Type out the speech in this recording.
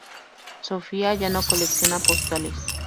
Sofía ya no colecciona postales.